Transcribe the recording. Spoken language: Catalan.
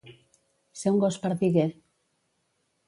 Ser un gos perdiguer.